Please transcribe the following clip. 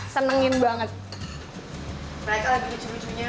seneng banget mereka lagi cucunya itu pintarnya lagi apa ya mesti kecil ya cira banyaknya om